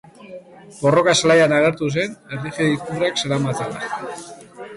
Borroka zelaian agertu zen, erlijio ikurrak zeramatzala.